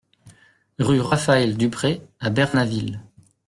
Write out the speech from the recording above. Rue Raphaël Duprez à Bernaville